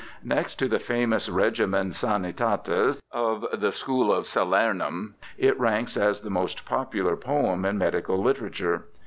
Next to the famous Regimen Sanitatis of the School of Salernum, it ranks as the most popular poem in medical literature.